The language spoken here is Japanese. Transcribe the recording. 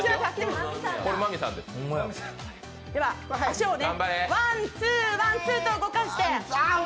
では足をワンツー、ワンツーと動かして。